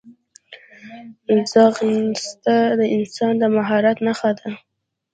ځغاسته د انسان د مهارت نښه ده